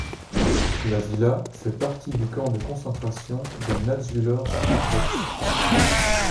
La villa fait partie du Camp de concentration de Natzwiller-Struthof.